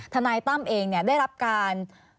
ทะนายตั้มเองเนี่ยได้รับการ